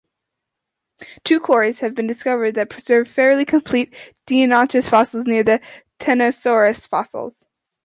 Two quarries have been discovered that preserve fairly complete "Deinonychus" fossils near "Tenontosaurus" fossils.